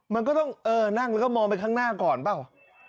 มันก็ต้องเออนั่งแล้วก็มองไปข้างหน้าก่อนเปล่า